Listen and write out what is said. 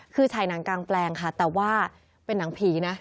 คือฉายหนังกลางแปลงค่ะแต่ว่าเป็นหนังผีนะ